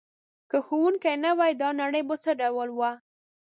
که ښوونکی نه وای دا نړۍ به څه ډول وه؟